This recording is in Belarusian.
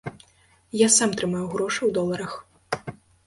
Я сам трымаю грошы ў доларах.